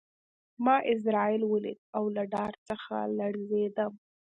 ما عزرائیل ولید او له ډار څخه لړزېدم